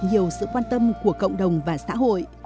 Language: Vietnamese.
nhiều sự quan tâm của cộng đồng và xã hội